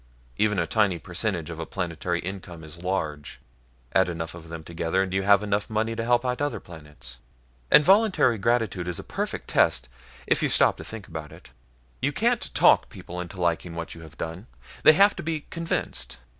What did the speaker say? Even a tiny percentage of a planetary income is large add enough of them together and you have enough money to help other planets. And voluntary gratitude is a perfect test, if you stop to think about it. You can't talk people into liking what you have done. They have to be convinced.